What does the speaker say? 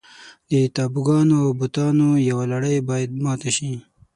د تابوګانو او بوتانو یوه لړۍ باید ماته شي.